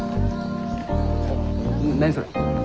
何それ？